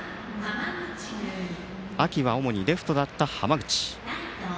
秋は主にレフトだった浜口。